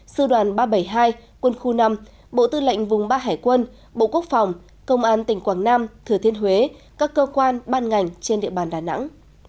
sư đoàn ba trăm bảy mươi hai quân khu năm bộ tư lệnh vùng ba hải quân bộ quốc phòng công an tỉnh quảng nam thừa thiên huế các cơ quan ban ngành trên địa bàn đà nẵng